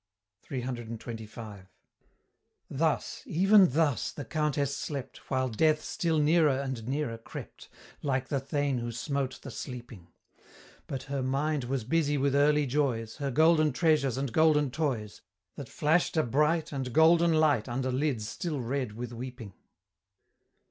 CCCXXV. Thus, even thus, the Countess slept, While Death still nearer and nearer crept, Like the Thane who smote the sleeping But her mind was busy with early joys, Her golden treasures and golden toys; That flash'd a bright And golden light Under lids still red with weeping.